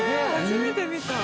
初めて見た。